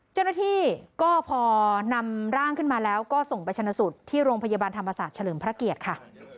เจ้าหน้าที่ก็พอนำร่างขึ้นมาแล้วก็ส่งไปชนะสูตรที่โรงพยาบาลธรรมศาสตร์เฉลิมพระเกียรติค่ะ